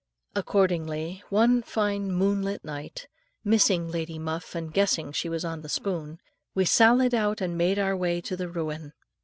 Accordingly, one fine moonlight night, missing Lady Muff, and guessing she was on the spoon, we sallied out and made our way to the ruin.